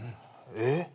えっ。